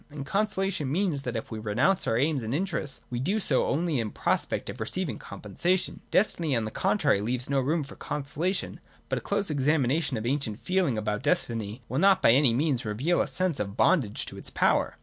And Consolation means that, if we renounce our aims and interests, we do so only in prospect of receiving compensation. Destiny, on the contrary, leaves no room for Consolation. But a close examination of the ancient feeling about destiny, will not by any means reveal a sense of bondage to its power.